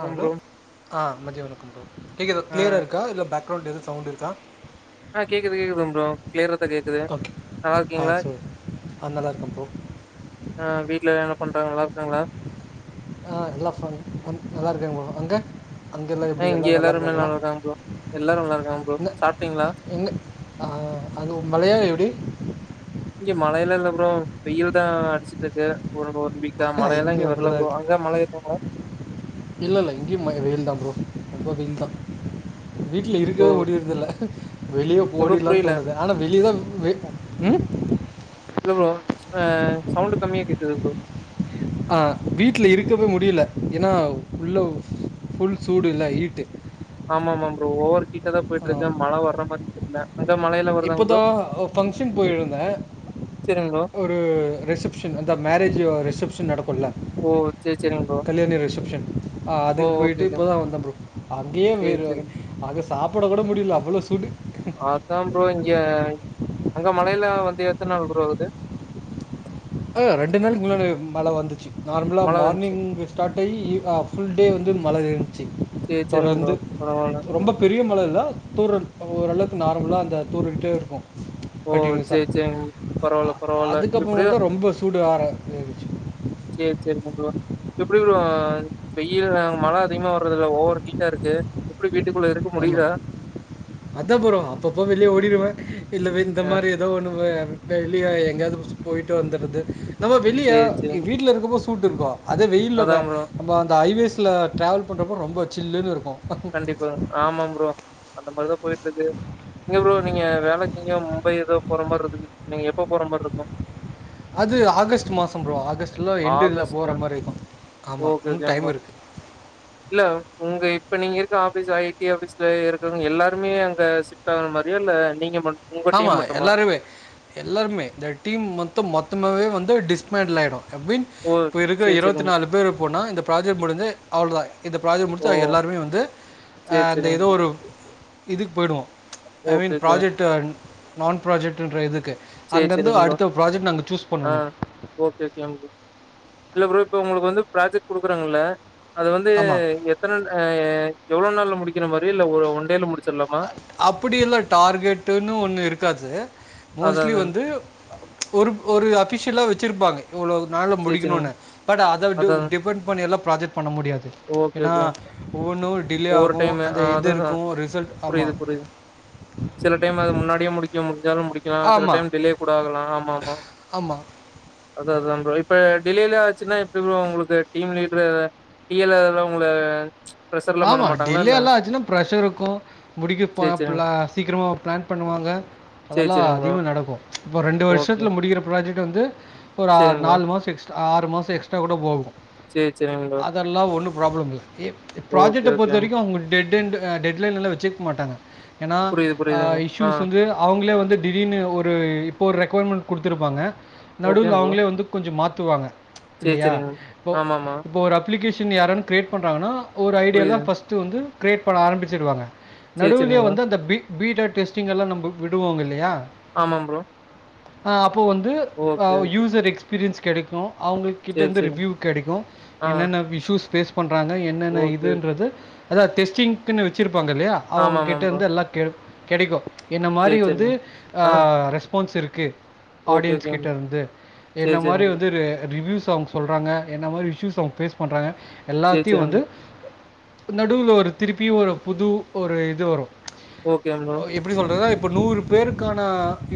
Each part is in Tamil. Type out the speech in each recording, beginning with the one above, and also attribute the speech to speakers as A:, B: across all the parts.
A: ஆ ஹலோ
B: ப்ரோ
A: ஆ மதிய வணக்கம் ப்ரோ கேக்குதா
B: ஆ
A: க்ளியராக இருக்கா இல்ல பேக்ரவுண்ட் எதுவு சவுண்ட் இருக்கா
B: ஆ கேக்குது கேக்குதுங்க ப்ரோ கிளியராதா கேக்குது
A: ஓகே
B: நல்லா
A: ஆ
B: இருக்கீங்ளா
A: சரி ஆ நல்லா இருக்கே ப்ரோ
B: ஆ வீட்ல என்ன பண்றாங்க நல்லா இருக்காங்ளா
A: ஆ எல்லா ஃபன் நல்லா இருக்காங்க ப்ரோ அங்க அங்கெல்லா
B: ஆ
A: எப்டி எல்லா
B: இங்க
A: நல்லா
B: எல்லாருமே
A: இருக்காங்களா
B: இருக்காங்க ப்ரோ எல்லாரு நல்லா இருக்காங்க ப்ரோ
A: அங்க
B: சாப்ட்டீங்களா
A: எங்க ஆ அங்க மழையா எப்டி
B: இங்க மழையில இல்ல ப்ரோ வெயில்தா அட்ச்சிட்ருக்கு [unintelligible] பீக்கா மழையெல்லா இங்க
A: இங்கேயும் அப்படி
B: வர்ல ப்ரோ அங்கா மழ இருக்கா ப்ரோ
A: இல்ல இல்ல இங்கையு ம வெயில்ன் ப்ரோ ரொம்ப வெயில்தா வீட்ல
B: ஓ
A: இருக்கவே முடியறதில்ல வெளியே
B: இல்ல ப்ரோ
A: போடிற்லானு
B: புரியல
A: தோணுது ஆனா வெளியவே வெ ம்
B: இல்ல ப்ரோ அ சவுண்ட்டு கம்மிய கேக்குது ப்ரோ
A: ஆ வீட்ல இருக்கவே முடியல ஏனா உள்ள ஃபுல் சூடு இல்ல ஹீட்டு
B: ஆமா ஆமா ப்ரோ ஓவரு ஹீட்டாதா போயிட்டுருக்கு மழ வர்ற மாரி தெர்ல அங்க மழ
A: இப்பதா பங்க்ஷன் போயிருந்தே
B: சரிங்க ப்ரோ
A: ஒ ரு ரிசப்ஷன் அத மேரேஜ் ரிசப்ஷன் நடக்குல்ல
B: ஓ சே சே
A: கல்யாணி ரிசப்ஷன் அதுக்கு
B: ஓகே
A: போயிட்டு
B: ஓகே
A: இப்பதா வந்த ப்ரோ அங்கேயே
B: சேரி
A: வேறு
B: சேரிங்க
A: அக சாப்ட கூட முடியல அவ்ளோ சூடு
B: அதா ப்ரோ இங்க அங்க மழையில வந்து எத்தன நாள் ப்ரோ ஆகுது
A: ஆ ரெண்டு நாளைக்கி முன்னாடி மழ வந்துச்சு நார்மலா
B: மழ வந்துச்சு
A: மார்னிங் ஸ்டார்ட் ஆயி ஈவி ஆ ஃபுல்டே வந்து மழ இருந்துச்சு
B: சேரி சேரிங்க ப்ரோ
A: தொடர்ந்து
B: பரவால்ல
A: ரொம்பப் பெரிய மழ இல்ல தூரல் ஓரளவுக்கு நார்மலா அந்த தூரிக்கிட்டே இருக்கு
B: ஓ சே சே பரவாயில்ல பரவாயில்ல
A: அதுக்கப்புறம்
B: எப்டியு
A: பார்த்தா ரொம்ப சூட ஆர
B: சேரி சேரி [unintelligible] எப்டி ப்ரோ வெயில் அங் மழ அதிகமா வர்றதில்ல ஓவர் ஹீட்டா இருக்கு எப்டி வீட்டுக்குள்ள இருக்க முடியுதா
A: அதா ப்ரோ அப்பப்ப வெளியே ஓடிருவே இல்ல வி இந்த
B: ஆ
A: மாரி எதோ ஒன்னு வெ வெளிய எங்கயாவது போயிட்டு வந்தர்றது நம்ம வெளியா
B: சேரி சேரி
A: வீட்ல இருக்கம் போ [unintelligible] கோ அது வெயில்ல
B: அதா
A: வே
B: ப்ரோ
A: அந்த ஹைவேஸ்ல டிராவல் பண்றப்ப ரொம்ப சில்லுன் இருக்கு
B: கண்டிப்பா ஆமாம் ப்ரோ அந்த மாரிதா போயிட்ருக்கு இங்க ப்ரோ நீங்க வேலைக் எங்கயோ மும்பை ஏதோ போற மார்ருக்கு [inaudible] நீங்க எப்போ போற மார்ருக்கு
A: அது ஆகஸ்ட் மாசம் ப்ரோ ஆகஸ்ட்ல எண்டு இதுல
B: ஆகஸ்டா
A: போகற மாரி இருக்கு ஆமா
B: ஓகே ஓகே
A: இன்னு
B: ப்ரோ
A: டைம் இருக்
B: இல்ல உங்க இப்ப நீங்க இருக்க ஆபீஸ் ஐ டி ஆபீஸ்ல இருக்கவங்க எல்லாருமே அங்க ஷி ஃப்ட் மாரியா இல்ல நீங்க மட் உங்க
A: ஆமா
B: டீம் மட்டுமா
A: எல்லாருமே எல்லாருமே இந்த டீம் மொத்த மொத்தமாவே வந்து டிச்மான்டில் ஆயிடு
B: ஓ
A: [unintelligible] இப்ப இருக்கற
B: சேரி
A: இருவத்
B: சேரிங்க
A: நாலு பேர் இருப்போனா இந்த ப்ராஜெக்ட் முடிஞ்சு அவ்ளோதா இந்த ப்ராஜெக்ட்
B: ஓ
A: முடுச்சா எல்லாருமே வந்து அ
B: சேரி
A: அந்த ஏதோ
B: சேரிங்க
A: ஒரு இதுக்கு போயிடுவோ I mean
B: okay okay
A: project நான் ப்ராஜெக்ட்டுன்ற இதுக்கு
B: சேரி
A: அங்கருந்து
B: சேரிங்க ப்ரோ
A: அடுத்த ப்ராஜெக்ட் நாங்க சூஸ்
B: ஆ
A: பண்ணனு
B: ஓகே ஓகே யம் ப்ரோ இல்ல ப்ரோ இப்ப உங்குளுக்கு வந்து ப்ராஜெக்ட் குடுக்குறாங்கள்ள அது வந்து
A: ஆமா.
B: எத்தனன் அ எஎவ்ளோ நாள்ல முடிக்கற மாரி இல்ல ஒரு ஒ ஒன் டேல முடிச்சிடலாமா
A: அப்டி எல்லா டார்கெட்டுன்னு ஒன்னு இருக்காது
B: அதா
A: மோஸ்ட்லி
B: அதாங்க
A: வந்து ஒரு ஒரு அஃபீசியல்லா வெச்சிருப்பாங்க இவ்ளோ நாள
B: சேரி சேரிங்க
A: முடிக்கணுனு பட் அத டு
B: அதா
A: டிபெண்ட் பண்ணியெல்லா ப்ராஜெக்ட் பண்ண முடியாது
B: ஓகே
A: ஏனா
B: ஓகேங்க ப்ரோ
A: ஒவ்வொன்னு டிலே ஆகு அந்த இது இருக்கு ரிசல்ட் ஆமா.
B: புரிது புரிது சில டைம் அது முன்னாடியே முடிக் க்க முடிஞ்சாலு முடிக்கலா சில
A: ஆமா.
B: டைம் டிலே கூட ஆகலா ஆமா ஆமா
A: ஆமா.
B: அத அதா [unintelligible] இப்ப டிலேலா ஆச்சுனா எப்டி ப்ரோ உங்களுக்கு டீம் லீட்ர டி எல் [unintelligible] உங்கள ப்ரெஷர்லா பண்ண
A: ஆமா
B: மாட்டாங்களா
A: டிலே
B: என்ன
A: எல்லா ஆச்சுனா ப்ரஷர் இருக்கு முடிக்க
B: சேரி சேரிங்
A: பாப்பல சீக்கிரமா ப்ளான் பண்ணுவாங்க
B: சேரி
A: அதெல்லா
B: சேரிங் ப்ரோ
A: அதிகமா நடக்கு இப்ப ரெண்டு
B: ஓகே
A: வருஷத்துல முடிக்கிற ப்ராஜெக்ட் வந்து ஒரு ஆறு
B: சேரிங் ப்ரோ
A: நாலு மாச எக்ஸ்ட்ரா ஆறு மாச எக்ஸ்ட்ரா குட போகு
B: சே சேரி [unintelligible]
A: ல்லா ஒன்னு ப்ராப்ளம் இல்ல எ
B: ஓகே
A: ப்ராஜெக்ட பொறுத்த
B: ஓகே
A: வரைக்கு அவங்க டெட் என்டு அ டெட் லைன் எல்லா வெச்சிக் மாட்டாங்க ஏனா
B: புரியுது புரியுதுங் ப்ரோ ஆ
A: இஸ்யூஸ் வந்து அவங்களே வந்து திடீர்னு ஒரு இப்போ ஒரு ரெக்குயர்மெண்ட் குடுத்திருப்பாங்க
B: ஓகே
A: நடுவுல
B: ப்ரோ
A: அவங்களே வந்து கொஞ்ச மாத்துவாங்க
B: சேரி
A: இல்லையா
B: சேரிங்
A: இப்போ
B: ஆமாமா
A: இப்போ ஒரு அப் அப்ளிகேஷன் யாருன் க்ரியேட் பண்றாங்கனா ஒரு ஐடியால்ல
B: புரியுது
A: ஃபர்ஸ்ட்டு வந்து க்ரியேட் பண்ண ஆரம்பிச்சிருவாங்க
B: சேரி
A: நடுவிலயே
B: சேரிங் ப்ரோ
A: வந்து அந்த பி பீடா டெஸ்ட்டிங் எல்லா நம்ம விடுவோங்கில்லையா
B: ஆமா ப்ரோ
A: அ அப்போ வந்து அ
B: ஓகே ஓகே
A: யூசர் எக்ஸ்பீரியன்ஸ் கெடைக்கு அவுங்குளுக் கிட்ட
B: சேரி
A: இருந்து
B: சேரிங்
A: ரிவ்யூ கெடைக்கு
B: ஆ
A: என்னென்ன விஷ்யூஸ் ஃபேஸ் பண்றாங்க என்னென்ன
B: ஓகே ஓகே
A: இதுன்றது அதா டெஸ்ட்டிங்குன் வெச்சுருப்பாங்க இல்லயா
B: ஆமாமாம்
A: அவங்ககிட்டே
B: ப்ரோ
A: இருந்து எல்லா கே கெடைக்கு என்ன மாரி
B: சேரி
A: வந்து
B: சேரிங்
A: ஆ ரெஸ்பான்ஸ் இருக்கு
B: ஓகே
A: ஆடியன்ஸ்
B: ஓகேங்
A: கிட்ட
B: ப்ரோ
A: இருந்து என்ன
B: சேரி
A: மாரி
B: சேரிங் ப்ரோ
A: வந்து ரே ரிவ்யூ சாங்ஸ் சொல்றாங்க என்ன மாரி இஷ்யூஸ் அவங்க ஃபேஸ் பண்றாங்க
B: சேரி
A: எல்லாத்தையு
B: சேரிங்
A: வந்து நடுவுல ஒரு திருப்பியு ஒரு புது ஒரு இது வரு
B: ஓகேங் ப்ரோ
A: எப்டி சொல்றதா இப்போ நூறு பேருக்கான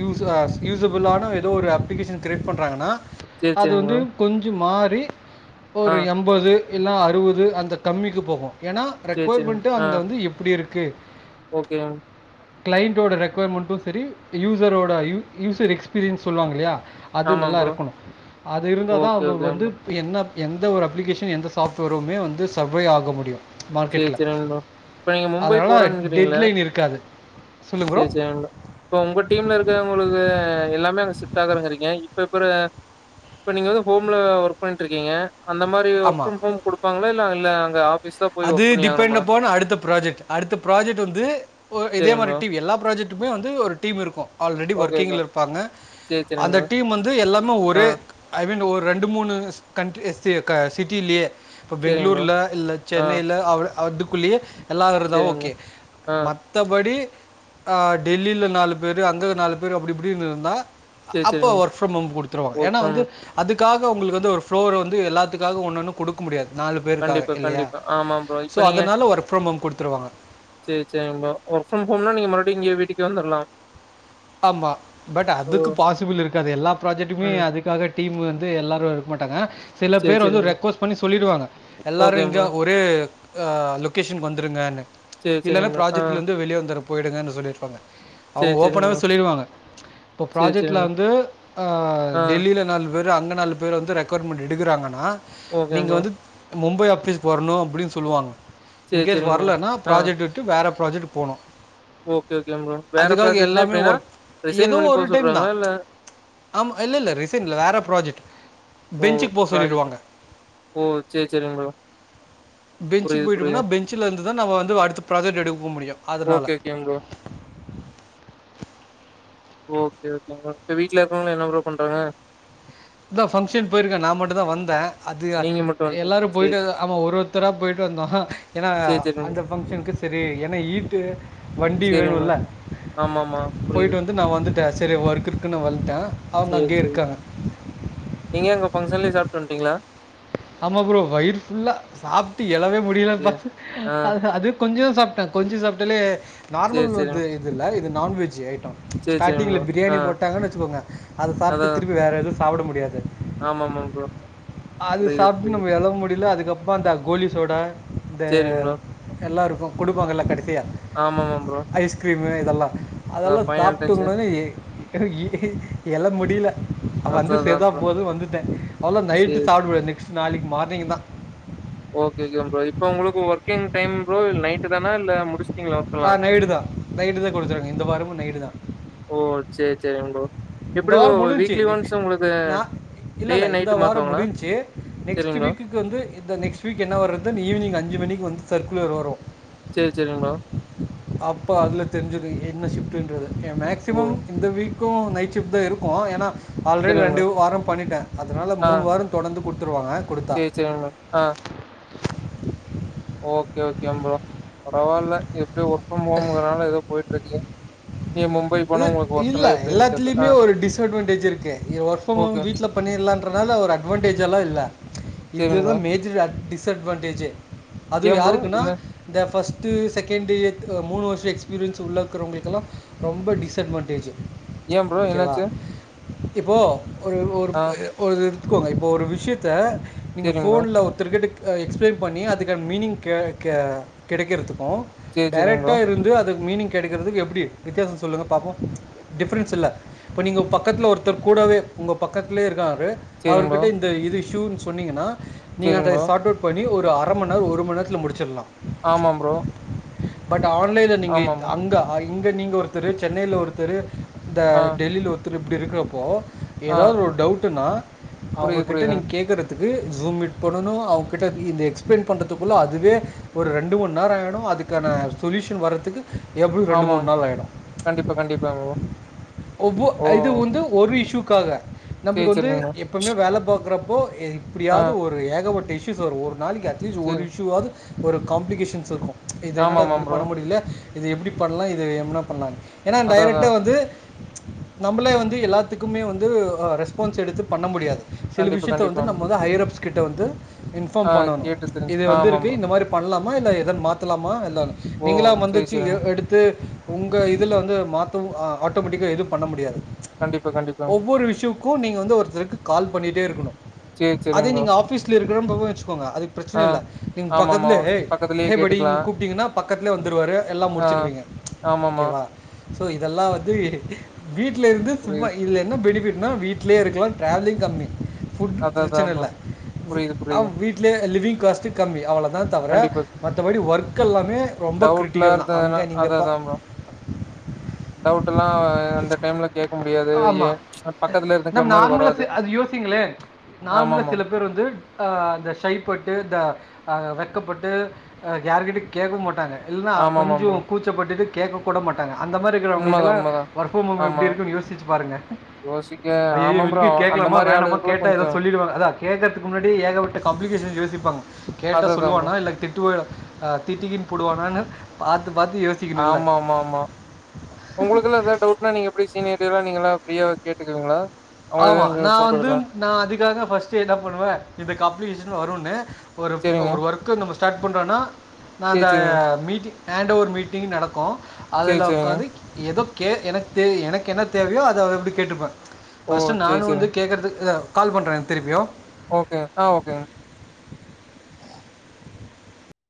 A: யூஸஸ் யூசபிளான எதோ ஒரு அப்ளிகேஷன் கிரேட் பண்றாங்கன்னா
B: சேரி
A: அது
B: சேரிங்
A: வந்து
B: ப்ரோ
A: கொஞ்சொம் மாறி
B: ஆ
A: ஒரு எம்பது இல்னா அறுவது அந்த கம்மிக்கு போகு ஏன்னா
B: சேரி சேரிங்
A: ரெக்குயர்மெண்ட்
B: ஆ
A: அங்க வந்து எப்டி இருக்கு
B: ஓகேங் மேம்
A: கிளைண்டோட ரெக்கொர்மெண்ட்டு சரி யூசரோட யூ யூசர் எக்ஸ்பீரியன்ஸ் சொல்லுவாங்கல்லையா அது
B: ஆமாம் ப்ரோ
A: நல்லாருக்கணு அது இருந்தாதா
B: ஓகே
A: அவங்க
B: ஓகே
A: வந்து
B: ப்ரோ
A: என்ன எந்த ஒரு அப்ளிகேஷன் எந்த சாஃப்ட்வேருமே வந்து சர்வே ஆக முடியு
B: சேரி
A: மார்க்கெட்ல
B: சேரிங்க ப்ரோ இப்ப நீங்க மும்பை
A: அதனால
B: போறேன்னுக்கிறீங்கள
A: டெட் லைன் இருக்காது சொல்லுங்க ப்ரோ
B: சேரி சேரிங்க இப்ப உங்க டீம்ல இருக்கிறவங்களுக்கு எல்லாமே அங்க ஷிஃப்ட் ஆகுறங்கிறீங்க இப்ப இப்பற இப்ப நீங்க எதோ ஹோம்ல ஒர்க் பண்ணிட்டுருக்கீங்க அந்த மாரி ஒர்க்
A: ஆமாம்
B: ஃப்ரம் ஹோம் குடுப்பாங்களா இல்ல இல்ல அங்க ஆபீஸ் தா
A: அது டிபெண்ட் அப் ஆன் அடுத்த ப்ராஜெக்ட் அடுத்த ப்ராஜெக்ட் வந்து ஒ இதே
B: சேரிங்க
A: மாரி
B: ப்ரோ
A: டிவ் எல்லா ப்ராஜெக்ட் டுமே வந்து ஒரு டீம் இருக்கு ஆல்ரெடி
B: ஓகே ஓகே
A: ஒர்க்கிங்கில இருப்பாங்க
B: சேரி சேரிங்க
A: அந்த
B: ப்ரோ
A: டீம் வந்து எல்லாமே
B: ஆ
A: ஒரே ஐ மீன் ஒரு ரெண்டு மூணு கண்ட்ரி சி க சிட்டிலே இப்போ
B: சேரிங்க ப்ரோ
A: பெங்களூர்ல இல்ல
B: ஆ
A: சென்னைல அவள அதுக்குள்ளயே எல்லாருந்தா
B: சேரிங்க
A: ஓகே
B: ப்ரோ ஆ
A: மத் தபடி அ டெல்லில நாலு பேரு அங்க நாலு பேரு அப்டி இப்டினு இருந்தா
B: சேரி
A: அப்ப
B: சேரிங்க
A: ஒர்க் ஃப்ரம் ஹோம் குடுத்துருவாங்க
B: ஒர்க்
A: ஏனா
B: ஃப்ரம்
A: வந்து அதுக்காக உங்களுக்கு வந்து ஒரு ஃப்ளோர வந்து எல்லாத்துக்காக ஒன்னு ஒன்னு குடுக்க முடியாது நாலு பேருக்காக
B: கண்டிப்பா
A: இல்லையா
B: கண்டிப்பா ஆமா ப்ரோ
A: சோ
B: இப்ப
A: அதனால ஒர்க் ஃப்ரம் ஹோம் குடுத்துருவாங்க
B: சேர் சேரி நண்பா ஒர்க் ஃப்ரம் ஹோம்னா நீங்க மறுபடியு இங்கே வீட்டுக்கே வந்தர்லா
A: ஆமா பட் அதுக்கு பாசிபிள் இருக்காது எல்லா ப்ராஜெக்ட்டுமே
B: ம்
A: அதுக்காக டீம் வந்து எல்லாரு இருக்க மாட்டாங்க சில
B: சேரி
A: பேர் வந்து
B: சேரிங்க
A: ரெக்வஸ்ட் பண்ணி சொல்லிடுவாங்க
B: ப்ரோ
A: எல்லாரு
B: ஓகே
A: இங்க
B: ப்ரோ
A: ஒரே அ லொகேஷனுக்கு வந்துருங்கன்னு
B: சேரி
A: இல்லன்னா
B: சேரிங்க ப்ரோ. ஆ
A: ப்ராஜெக்ட்லருந்து வெளியே வந்துர போயிடுங்கன் சொல்லிருப்பாங்க அவங்க
B: சேரி
A: ஓபனா
B: சேரிங்க ப்ரோ.
A: சொல்லிருவாங்க இப்ப
B: சேரி
A: ப்ராஜெக்ட்ல
B: சேரிங்க
A: வந்து ஆ
B: ஆ
A: டெல்லில நால் பேரு அங்க நாலு பேர் வந்து ரெக்கோர்மெண்ட் எடுக்குறாங்கன்னா
B: ஓகே
A: நீங்க
B: ப்ரோ.
A: வந்து மும்பை ஆஃபீஸ்க்கு வரணு அப்டின்னு சொல்லுவாங்க
B: சேரி
A: இன்கேஸ்
B: சேரிங்க ப்ரோ.
A: வர்லன்னா
B: ஆ
A: ப்ராஜெக்ட் ட்டு வேற ப்ராஜெக்ட் போனு
B: ஓகே ஓகேங் ப்ரோ வேற ப்ராஜெக்ட்னா
A: எல்லாமே
B: எப்டினா ரிசைன் பண்ணி போ சொல்றாங்களா இல்ல
A: ஆம் இல்லல்ல ரிசைன் இல்ல வேற ப்ராஜெக்ட்
B: ஓ
A: பெஞ்சுக்கு போக
B: ப்ராஜெக்ட்
A: சொல்லிடுவாங்க
B: ஓ சரி சரிங் ப்ரோ
A: பெஞ்சுக்கு
B: புரியுது
A: போய்ட்டோம்னா
B: புரியுது.
A: பெஞ்சுலேருந்துதா நம்ம வந்து அடுத்த ப்ராஜெக்ட் எடுக்க போக முடியு அதனால
B: ஓகே ஓகேங்க ப்ரோ. ஓகே ஓகேங் ப்ரோ இப்ப வீட்ல இருக்றவ்ங்களா என்ன ப்ரோ பண்றாங்க
A: இந்தா ஃபங்க்ஷன் போயிருக்கா நா மட்டுதா வந்தே அது
B: நீங்க மட்டும் வந்ட்டீங்க.
A: எல்லாரு
B: சேரி
A: போயிட்டு ஆமா ஒரு ஒருத்தரா போயிட்டு வந்தோ ஏனா
B: சேரி சேரிங்க ப்ரோ.
A: அந்த ஃபங்க்ஷனுக்கு சரி ஏன்னா ஹீட்டு வண்டி வேணுல்ல
B: ம்மாமா ப்ரோ புரியுது.
A: போயிட்டு வந்து நா வந்துட்ட சரி ஒர்க் இருக்குன் வந்ட்டே
B: சரி சரி நீங்க அங்க ஃபங்க்ஷன்லே சாப்ட்டு வந்ட்டீங்ளா
A: ஆமா ப்ரோ வயிறு ஃபுல்லா சாப்ட்டு எழவே முடியலப்பா
B: சேரி. ஆ
A: அததா அது கொஞ்சோ சாப்பிட்டே கொஞ்சோ சாப்பிட்டாலே
B: சேரி
A: நார்மல் வந்து
B: சேரிங்க.
A: இது இல்ல இது நான்வெஜ் ஐட்டோ
B: சேரி சேரிங்க ப்ரோ.
A: ஸ்டார்டிங்ல
B: ஆ
A: பிரியாணி போட்டாங்கன்னு வச்சுக்கோங்க அத சாப்பிட்டு திருப்பி வேற எதுவு சாப்பிட முடியாது
B: ஆமா ஆமாங்க ப்ரோ
A: அது
B: புரியுது
A: சாப்ட்டு
B: புரியுது.
A: நம்ம எதவு முடியல அதுக்கப்பறமா அந்த கோலி சோடா இத
B: சேரிங்க ப்ரோ.
A: எல்லாருக்கு கொடுப்பாங்கல்ல கடைசியா
B: ஆமாமா ப்ரோ.
A: ஐஸ்கிரீமு இதெல்லா
B: அதா
A: அதெல்லா
B: ஃபைனல்
A: சாப்பிட்ட
B: டச்சு
A: உடனேயே என்னால முடியல வந்து
B: அதா அதா
A: சேந்தா
B: ப்ரோ.
A: போது வந்துட்டே அவ்வள நைட்டு
B: சேரி,
A: சாப்பிட
B: சேரி.
A: முடியாது நெக்ஸ்ட் நாளைக்கு மார்னிங் தா
B: ஓகே ஓகே ப்ரோ இப்ப உங்களுக்கு ஒர்க்கிங் டைம் ப்ரோ இல்ல நைட்டு தானா இல்ல முடிச்ச
A: ஆ நைடு தா நைடு தா கொடுத்துறாங்க இந்த வாரமு நைடு தா
B: ஓ செரி செரி உங்கோ
A: இந்த வரோ முடிஞ்ச்சு நெக்ஸ் நா இல்ல
B: டே,
A: இல்ல இந்த
B: நைட்டு
A: வாரோ
B: மாத்துவாங்களா?
A: முடிஞ்ச்சு நெக்ஸ்ட்
B: சரிங்க ப்ரோ.
A: வீக் வந்து இந்த நெக்ஸ்ட் வீக் என்ன வ வருதுன்னு ஈவினங்ஞ்சு மணிக்கு வந்து சர்குலர் வரு
B: செரி செரிங்கா ப்ரோ
A: அப்ப அதுல தெரிஞ்சுரு என்ன ஷ்ப்டன்றது
B: ஓ!
A: மேக்சிமம் இந்த வீக்கு நைட் சிப்ட் தா இருக்கு ஏன்னா ஆல்ரெடி
B: சரிங்க
A: ரெண்டு
B: ப்ரோ.
A: வாரோ பண்ணிட்டே அதனால மூணு வாரோ தொடர்ந்து கொடுத்துருவாங்க கொடுத்தா
B: செரி செரி ஆ ஓகே ஓகே ப்ரோ பெரவால்ல எப்டி ஒர்க் ஃரம் ஹோம்ங்கறனால ஏதோ போயிட்டு இருக்கு
A: இ இல்ல
B: எப்டின்னு தெர்ல. ஆ
A: எல்லாத்துலயுமே ஒரு டிஸ் அட்வான்டேஜ் இருக்கு நீ வொர்க் ஃப்ரம் ஹோம்
B: ஓகே
A: வீட்ல பண்ணிற்லாம்ன்றனால ஒரு அட்வான்டேஜ் எல்லா இல்ல இது
B: சரிங்க
A: தா
B: ப்ரோ.
A: மேஜர் ஆக்டிவிட்டீஸ் டிஸ்அட்வான்டேஜ் அதுவு
B: ஏன் ப்ரோ
A: யாருக்குன்னா
B: என்ன
A: இந்த ஃபர்ஸ்ட் செகண்ட்டு மூணு வர்ஷோ எக்ஸ்பீரியன்ஸ் உள்ள இருக்கிறவங்களுக்கெல்லா ரொம்ப டிஸ்அட்வான்டேஜ்
B: ஏ ப்ரோ என்னாச்சு
A: இப்போ ஒரு ஒரு
B: ஆ
A: ஒரு இருத்துக்கோங்க இப்போ ஒரு விஷயத்த நீங்க
B: சரிங்க ப்ரோ.
A: ஃபோன்ல ஒருத்தருக்கட்டு எக்ஸ்பிளைன் பண்ணி அதுக்கான மீனிங் கே க கெடைக்கிறதுக்கு
B: சேரி, சரிங்க
A: டரெக்ட்டா
B: ப்ரோ.
A: இருந்து அது மீனிங் கிடைக்கறதுக்கு எப்டி வித்தியாசோ சொல்லுங்க பாப்போ டிஃப்பரன்ஸ் இல்ல இப்ப நீங்க பக்கத்துல ஒருத்தர் கூடவே உங்க பக்கத்துலயே இருக்காரு
B: சேரிங் ப்ரோ
A: அவர்கிட்ட இந்த இது இஷூன்னு சொன்னீங்கன்னா நீங்க
B: சேரிங்
A: அத
B: ப்ரோ
A: சார்ட் அவுட் பண்ணி ஒரு அர மண்நேரோ ஒரு மணி நேரத்துத்தில முடிச்சிடலா
B: ஆமா ப்ரோ
A: பட் ஆன்லைன்ல நீங்க
B: ஆமாமா
A: அங்க இங்க நீங்க ஒருத்தரு சென்னையில ஒருத்தரு இந்த
B: ஆ
A: டெல்லியில ஒருத்தரு இப்டி இருக்கிறப்போ
B: ஆ
A: ஏதாவது ஒரு டவுட்டுன்னா
B: புரியுது
A: அவங்ககிட்ட
B: புரியுதுங்
A: நீங்க கேக்குறது த்துக்கு ஜூம் மீட் பண்ணணு அவங்க கிட்ட இந்த எக்ஸ்பிளைன் பண்றதுக்குள்ள அதுவே ஒரு ரெண்டு மூணு நாள் ஆகிடு அதுக்கான சொல்யூஷன் வர்றதுக்கு எப்டியு ரெண்டு மூணு
B: ஆமாம்
A: நாள் ஆயிடு
B: கண்டிப்பா கண்டிப்பாங்க
A: ஒவ்வொ இது வந்து ஒரு இஷயூக்காக
B: சேரி
A: நம்மளுக்கு வந்து
B: சேரிங்கண்ணா
A: எப் எப்போவுமே வேல பாக்குறப்போ
B: ஆ
A: இப்டியாவது ஒரு ஏகப்பட்ட இஸ்யூஸ் வரு ஒரு நாளைக்கு அட்லீஸ்ட் ஒரு
B: சேரி
A: இஷ்யூவாவது ஒரு காம்ப்ளிகேஷன்ஸ் இருக்கு ச் இது என்னடா
B: ஆமாமாம்
A: எப்டி
B: ப்ரோ
A: பண்ண முடியல இது எப்டி பண்லா இது எம்னா பண்லானு ஏன்னா
B: அதா அதா
A: டைரெக்ட்டாக வந்து நம்மளே வந்து எல்லாத்துக்குமே வந்து ரெஸ்பான்ஸ் எடுத்து பண்ண முடியாது சில
B: கண்டிப்பா
A: விஷயத்த வந்து
B: கண்டிப்பாங்
A: நம்ம வந்து ஹைரப்ஸ் கிட்ட வந்து இன்ஃபார்ம்
B: ஆ
A: பண்ணணு
B: கேட்டு தெரிஞ்சு
A: இது வந்து
B: ஆமாம்
A: இருக்கு
B: ப்ரோ
A: இந்த மாரி பண்லாமா இல்ல எதன் மாத்தலாமா இல்ல
B: ஓ
A: நீங்களா
B: சேரி
A: வந்துச்சு ஏ
B: சேரிங்
A: எடுத் து உங்க இதுல வந்து மாத்தவு ஆ ஆட்டோமேட்டிக்கா எதுவு பண்ண முடியாது
B: கண்டிப்பா கண்டிப்பாங்
A: ஒவ்வொரு விஷ்யுக்கு நீங்க வந்து ஒருத்தருக்கு கால் பண்ணிட்டே இருக்குணு
B: சேரி
A: அதே
B: சேரிங் ப்ரோ
A: நீங்க ஆஃபீஸ்ல இருக்கறன் பவ வச்சுக்கோங்க அது பிரச்சனை
B: ஆ
A: இல்ல நீங்க
B: ஆமாமா
A: பக்கத்லே
B: பக்கத்துலயே
A: ஹே படின்
B: கேட்டுக்கலா
A: கூப்பிட்டீங்கனா பக்கத்துலே வந்துருவாரு எல்லா முடிச்சிடுவிங்க
B: ஆமா மா
A: சோ இதெல்லா வந்து வீட்லேருந்து சும்மா
B: புரியுது
A: இதுல என்ன பெனிஃபிட்னா வீட் ட்லே இருக்கலா டிராவலிங் கம்மி ஃபுட்
B: அதா அதா
A: பிரச்சன
B: ப்ரோ
A: இல்ல
B: புரியுது புரியுது
A: அவ் வீட்லே லிவிங் காஸ்ட்டு கம்மி அவ்ள தா தவர
B: கண்டிப்பா
A: மத்தபடி ஒர்க் எல்லாமே ரொம்ப
B: டவுட்லா
A: கிரிட்டிகல் தா
B: இருந்ததுன்னா
A: அங்க நீங்க பா
B: டவுட்டெல்லா அந்த டைம்ல கேக்க மு
A: ஆமா நம் நார்மலா
B: வராது
A: சி அது யோசிங்க ளே நார்மலா
B: ஆமாமா
A: சில பேர் வந்து ஆ அந்த ஷை பட்டு த அ வெக்கப்பட்டு ஆ யார்கிட்டயு கேக்கவு மாட்டாங்க இல்னா
B: ஆமாமா
A: கொஞ்சோ
B: ப்ரோ
A: கூச்சப்பட்டுட்டு கேக்க கூட மாட்டாங்க அந்த மாரி
B: உண்மதா
A: இருக்கறவங்களுக்கெல்லா
B: உண்மதா
A: ஒர்க் ஃப்ரம் ஹோம்
B: ஆமா
A: எப்டி இருக்குன் யோசிச்சு பாருங்க
B: யோசிக்க ஆமா
A: அய்யய்யோ
B: ப்ரோ
A: [unintelligible]
B: அந்த
A: கேக்லாமா
B: மாரி
A: வேணாமா
B: ஆளுகளுக்குள்ள
A: கேட்டா எதோ
B: கொஞ்சோ
A: சொல்லிடுவாங்க அதா கேக்கர்த்துக்கு முன்னாடி ஏக பட்ட காம்ப்ளிகேஷன் யோசிப்பாங்க கேட்டா
B: அதுதா ப்ரோ
A: சொல்லுவானா இல்ல திட்டுவரா அ திட்டிகின் புடுவாரான்னு பாத்து பாத்து யோசி
B: ஆமா ஆமா ஆமா உங்குளுக்குலா எதா டவுட்னா நீங்க எப்டி சீனியர்ட்ட எல்லா எப்டி நீங்களா ஃப்ரீயா கேட்டுக்குவிங்ளா
A: ஆமா நா வந்து நா அதுக்காக ஃபஸ்ட்டு என்ன பண்ணுவே இந்த காம்ப்ளிகேஷன் வருன்னு ஒரு
B: சேரிங்க
A: ஒரு ஒர்க் க்கு நம்ம ஸ்டார்ட் பண்றோன்னா நா
B: சேரி
A: அந்த
B: சேரிங்க
A: மீட்டிங் ஹேண்ட்டு ஓவர் மீட்டிங் நடக்கு
B: சேரி
A: அதுல
B: சேரிங்க
A: ஒக்காந்து எதோ கே எனக்கு தே எனக்கு என்ன தேவையோ அத அப்டே கேட்டுப்பே
B: ஓ
A: ஃபர்ஸ்ட்
B: சேரி
A: நானு வந்து
B: சேரிங்க
A: கேக்கறதுக்கு ஆ கால் பண்றே திருப்பியு
B: ஓகேங்க ஆ ஓகேங்க